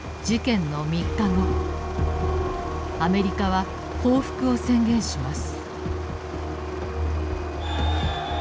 アメリカは報復を宣言します。